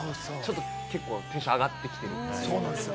結構、テンション上がってきてますね。